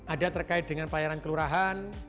ada terkait dengan pelayaran kelurahan